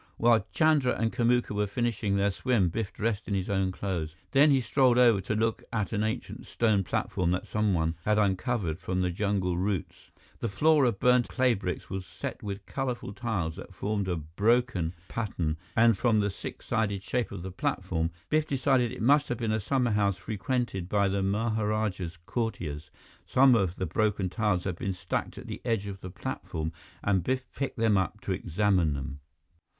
While Chandra and Kamuka were finishing their swim, Biff dressed in his own clothes. Then he strolled over to look at an ancient stone platform that someone had uncovered from the jungle roots. The floor of burnt clay bricks was set with colorful tiles that formed a broken pattern and from the six sided shape of the platform, Biff decided it must have been a summerhouse frequented by the maharajah's courtiers. Some of the broken tiles had been stacked at the edge of the platform, and Biff picked them up to examine them.